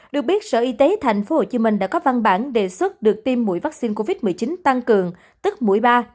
được biết sở y tế tp hcm đã có văn bản đề xuất được tiêm mũi vaccine covid một mươi chín tăng cường tức mũi ba